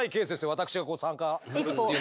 私が参加するっていうのは。